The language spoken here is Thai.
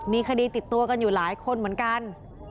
มีคดีติดตัวกันอยู่หลายคนเหมือนกัน